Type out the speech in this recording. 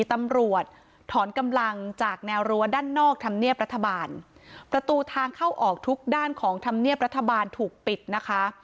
ตำรวจถอนกำลังจากแนวรั้วด้านนอกธรรมเนียบรัฐบาลประตูทางเข้าออกทุกด้านของธรรมเนียบรัฐบาลถูกปิดนะคะ